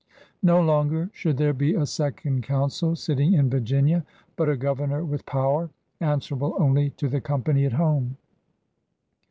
No longer should there be a second Council sitting in Virginia, but a Governor with power, answerable only to the Company at home.